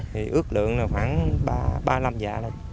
khoảng ba mươi năm ngày rồi